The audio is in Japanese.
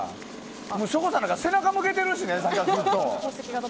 省吾さんなんか背中向けてるからね。